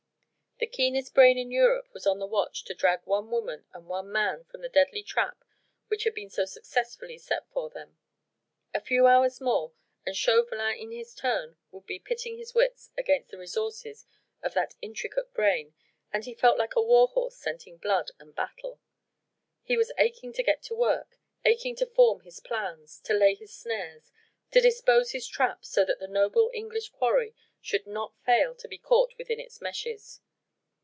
The keenest brain in Europe was on the watch to drag one woman and one man from the deadly trap which had been so successfully set for them. A few hours more and Chauvelin in his turn would be pitting his wits against the resources of that intricate brain, and he felt like a war horse scenting blood and battle. He was aching to get to work aching to form his plans to lay his snares to dispose his trap so that the noble English quarry should not fail to be caught within its meshes.